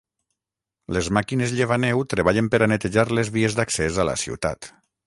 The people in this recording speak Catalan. Les màquines llevaneu treballen per a netejar les vies d’accés a la ciutat.